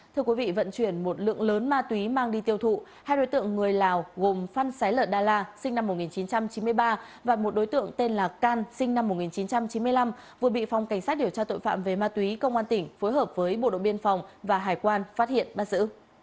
thưa quý vị vận chuyển một lượng lớn ma túy mang đi tiêu thụ hai đối tượng người lào gồm phan xé lợi đa la sinh năm một nghìn chín trăm chín mươi ba và một đối tượng tên là can sinh năm một nghìn chín trăm chín mươi năm vừa bị phòng cảnh sát điều tra tội phạm về ma túy công an tỉnh phối hợp với bộ đội biên phòng và hải quan phát hiện bắt giữ